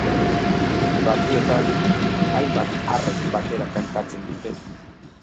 Batzuetan hainbat arrek batera kantatzen dute.